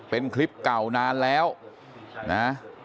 เป็นคลิปเก่านานแล้วนะ